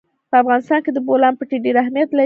په افغانستان کې د بولان پټي ډېر اهمیت لري.